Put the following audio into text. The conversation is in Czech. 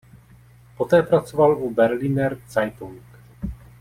Poté pracoval u Berliner Zeitung.